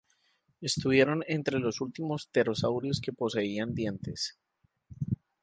Estuvieron entre los últimos pterosaurios que poseían dientes.